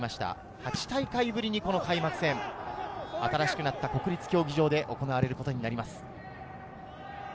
８大会ぶりに開幕戦、新しくなった国立競技場で行われることになります。